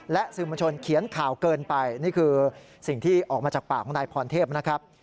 และสื่อมวลชนเขียนข่าวเกินไปนี่คือสิ่งที่ออกมาจากปากของนายพรเทพนะครับ